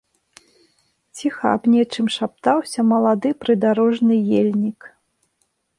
Ціха аб нечым шаптаўся малады прыдарожны ельнік.